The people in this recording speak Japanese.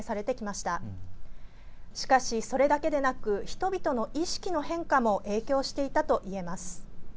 しかし、それだけでなく人々の意識の変化も影響していたといえます。